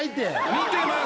見てます！